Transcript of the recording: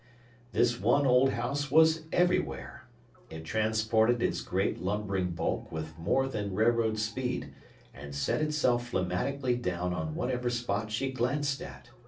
This one old house was everywhere! It transported its great, lumbering bulk with more than railroad speed, and set itself phlegmatically down on whatever spot she glanced at.